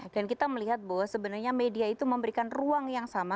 dan kita melihat bahwa sebenarnya media itu memberikan ruang yang sama